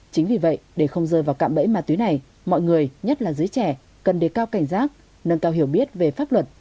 chính vì vậy để không rơi vào cạm bẫy ma túy này mọi người nhất là giới trẻ cần đề cao cảnh giác nâng cao hiểu biết về pháp luật